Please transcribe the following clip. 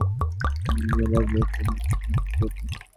ননি লজ্জায় মুখ নিচু করিল।